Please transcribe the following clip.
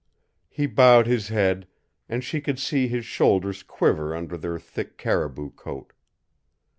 He bowed his head, and she could see his shoulders quiver under their thick caribou coat.